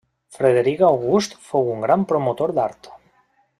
Frederic August fou un gran promotor d'art.